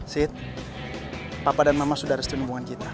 sid papa dan mama sudah restuin hubungan kita